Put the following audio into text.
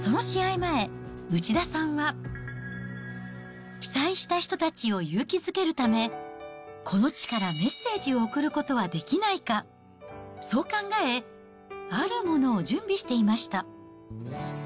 前、内田さんは、被災した人たちを勇気づけるため、この地からメッセージを送ることはできないか、そう考え、あるものを準備していました。